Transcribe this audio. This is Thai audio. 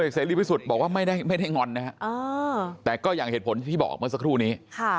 เสร็จเร็วไปสุดบอกว่าไม่ได้งอนแต่ก็อย่างเหตุผลที่พี่บอกเมื่อสักครู่นี้